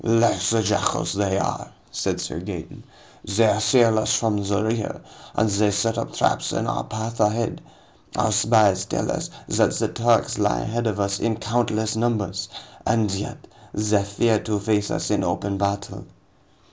"Like the jackals they are," said Sir Gaeton. "They assail us from the rear, and they set up traps in our path ahead. Our spies tell us that the Turks lie ahead of us in countless numbers. And yet, they fear to face us in open battle."